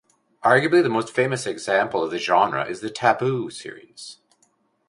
Arguably the most famous example of the genre is the "Taboo" series.